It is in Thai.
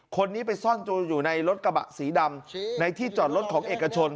คนนี้ไปซ่อนตัวอยู่ในรถกระบะสีดำในที่จอดรถของเอกชน